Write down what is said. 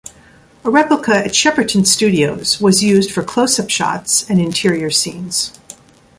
A replica at Shepperton Studios was used for close-up shots and interior scenes.